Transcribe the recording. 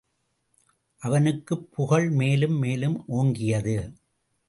அவனுக்குப் புகழ் மேலும் மேலும் ஓங்கியது.